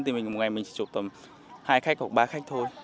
thì mình một ngày mình chỉ chụp tầm hai khách hoặc ba khách thôi